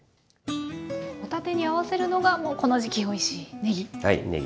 帆立てに合わせるのがこの時期おいしいねぎ。